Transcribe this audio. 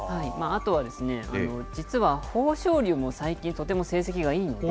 実は豊昇龍も最近、とても成績がいいので。